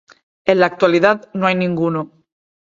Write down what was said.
En la actualidad no hay ninguno.